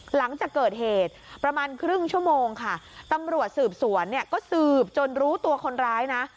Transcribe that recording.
หลังจากเกิดเหตุประมาณครึ่งชั่วโมงค่ะตำรวจสืบสวนเนี่ยก็สืบจนรู้ตัวคนร้ายนะ